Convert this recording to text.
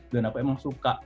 dan aku emang suka